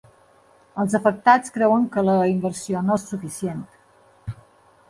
Els afectats creuen que la inversió no és suficient